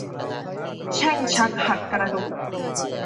แช่งชักหักกระดูก